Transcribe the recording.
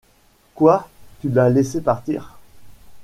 Quoi ? Tu l'as laissé partir ?